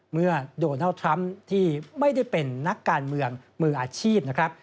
เมื่อโดนัลด์ทรัมป์ที่ไม่ได้เป็นนักการเมืองมืออาชีพนะครับ